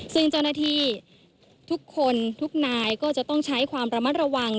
ซึ่งเจ้าหน้าที่ทุกคนทุกนายก็จะต้องใช้ความระมัดระวัง